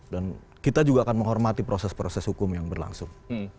dan kita juga akan menghormati proses proses hukum yang berlangsung